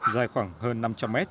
dài khoảng hơn năm trăm linh mét